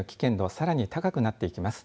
さらに高くなっていきます。